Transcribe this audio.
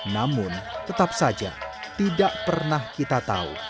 namun tetap saja tidak pernah kita tahu